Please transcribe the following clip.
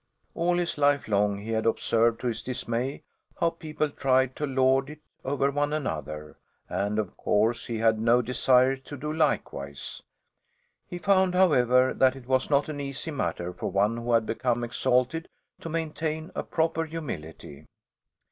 All his life long he had observed, to his dismay, how people tried to lord it over one another, and of course he had no desire to do likewise. He found, however, that it was not an easy matter for one who had become exalted to maintain a proper humility.